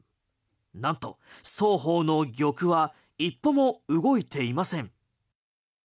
なんと双方の玉は一歩も動いていません。